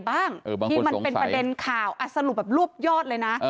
เออบางคนสงสัยที่มันเป็นประเด็นข่าวอ่าสรุปแบบรูปยอดเลยนะ